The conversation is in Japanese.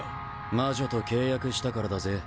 魔女と契約したからだぜ。